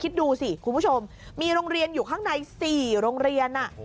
คิดดูสิคุณผู้ชมมีโรงเรียนอยู่ข้างใน๔โรงเรียน